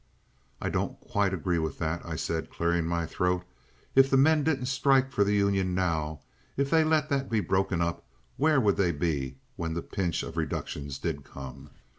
"I don't quite agree with that," I said, clearing my throat. "If the men didn't strike for the union now, if they let that be broken up, where would they be when the pinch of reductions did come?"